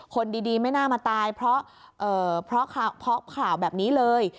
คนดีไม่น่ามาตายเพราะข่าวแบบนี้เลย